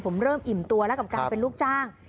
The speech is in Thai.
ผมเริ่มอิ่มตัวแล้วกับการเป็นลูกจ้าง